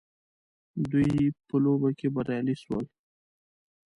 دوی په لوبه کي بريالي سول